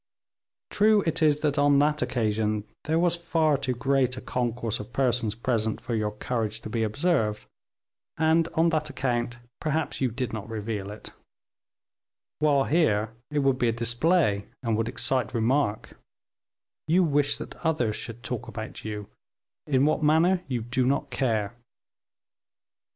True it is, that on that occasion there was far too great a concourse of persons present for your courage to be observed, and on that account perhaps you did not reveal it; while here, it would be a display, and would excite remark you wish that others should talk about you, in what manner you do not care.